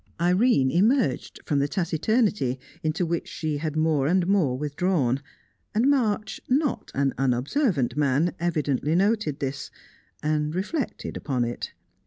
Irene emerged from the taciturnity into which she had more and more withdrawn, and March, not an unobservant man, evidently noted this, and reflected upon it.